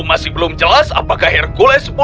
masih belum jelas apakah hercules